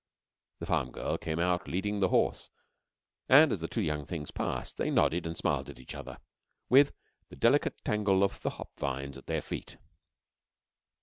The farm girl came out leading the horse, and as the two young things passed they nodded and smiled at each other, with the delicate tangle of the hop vines at their feet.